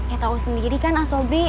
eh tau sendiri kan asobri